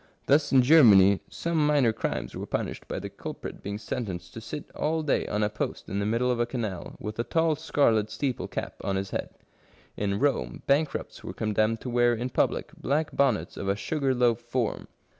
Thus in Germany some minor crimes were punished by the 98 Strange Pains and Penalties culprit being sentenced to sit all day on a post in the middle of a canai, with a tall scarlet steeple cap on his head. In Rome, bankrupts were condemned to wear in public black bonnets of a sugar loaf form.